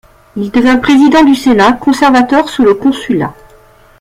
Il devient président du Sénat conservateur sous le Consulat.